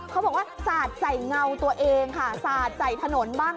เขาบอกว่าสาดใส่เงาตัวเองค่ะสาดใส่ถนนบ้าง